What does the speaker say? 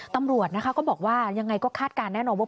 ตำรวจนะคะก็บอกว่ายังไงก็คาดการณ์แน่นอนว่า